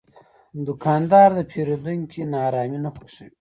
دوکاندار د پیرودونکي ناارامي نه خوښوي.